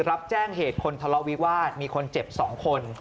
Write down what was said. รับแจ้งเหตุคนทะเลาะวิวาสมีคนเจ็บ๒คน